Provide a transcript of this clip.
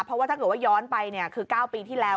เพราะว่าถ้าเกิดว่าย้อนไปคือ๙ปีที่แล้ว